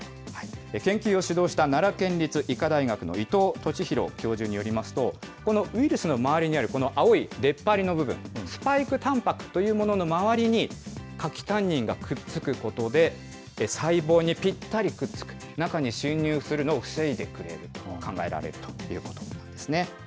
研究を指導した奈良県立医科大学の伊藤利洋教授によりますと、このウイルスの周りにあるこの青いでっぱりの部分、スパイクタンパクというものの周りに、柿タンニンがくっつくことで、細胞にぴったりくっつく、中に侵入するのを防いでくれると考えられるということですね。